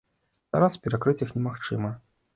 Зараз перакрыць іх немагчыма.